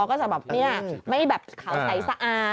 มันก็จะแบบนี่ไม่แบบขาวใสสะอา